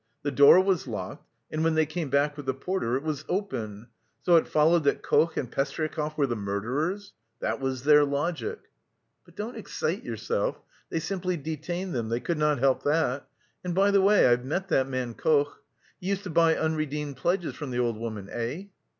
The door was locked, and when they came back with the porter it was open. So it followed that Koch and Pestryakov were the murderers that was their logic!" "But don't excite yourself; they simply detained them, they could not help that.... And, by the way, I've met that man Koch. He used to buy unredeemed pledges from the old woman? Eh?"